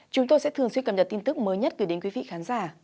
chúng tôi sẽ thường xuyên cập nhật tin tức mới nhất gửi đến quý vị khán giả